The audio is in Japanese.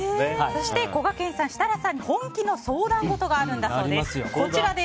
そして、こがけんさん設楽さんに本気の相談事があるんだそうです。